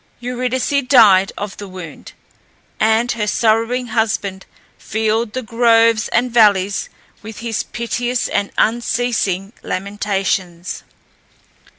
Eurydice died of the wound, and her sorrowing husband filled the groves and valleys with his piteous and unceasing lamentations.